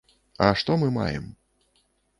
А што мы маем?